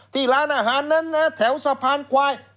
ที่ร้านอาหารนั้นนะแถวสะพานควาย